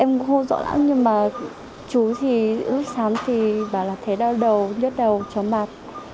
em hôn rõ ràng nhưng mà chú thì lúc sáng thì bảo là thấy đau đầu nhớt đầu tró mặt